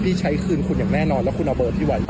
พี่ใช้คืนคุณอย่างแน่นอนและคุณเอาเบิร์ดที่อย่างกู้